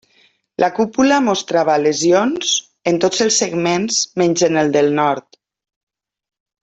La cúpula mostrava lesions en tots els segments menys en el del nord.